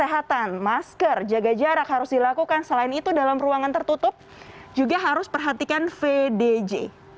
kesehatan masker jaga jarak harus dilakukan selain itu dalam ruangan tertutup juga harus perhatikan vdj